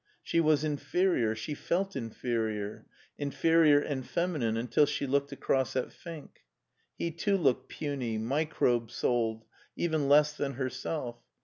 She was inferior, she felt inferior — inferior and feminine, until she looked across at Fink. He too looked puny, microbe souled, even less than herself.